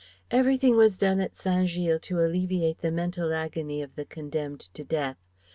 Everything was done at Saint Gilles to alleviate the mental agony of the condemned to death.